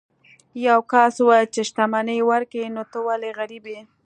یو کس وویل که شتمني ورکوي نو ته ولې غریب یې.